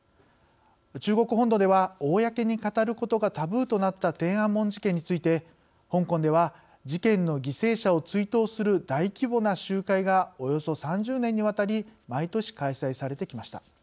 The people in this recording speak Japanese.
中国本土では公に語ることがタブーとなった天安門事件について香港では事件の犠牲者を追悼する大規模な集会がおよそ３０年にわたり毎年開催されてきました。